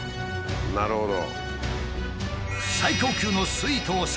なるほど。